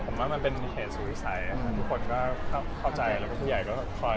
ก็สาหรับทุนเฝ้าผมเดินห้องแม่แม่ก็เดินห้องผม